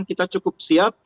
kita cukup siap